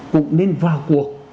cũng nên vào cuộc